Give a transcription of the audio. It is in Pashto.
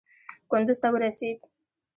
کندوز ته ورسېد.